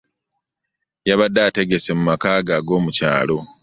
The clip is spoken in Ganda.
Yabadde ategese mu maka ge ag'omu kyalo